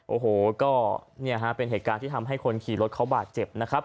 โอ้โหก็เนี่ยฮะเป็นเหตุการณ์ที่ทำให้คนขี่รถเขาบาดเจ็บนะครับ